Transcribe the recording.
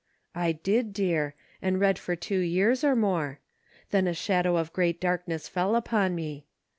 " I did, dear, and read for two years, or more ; then a shadow of great darkness fell upon me.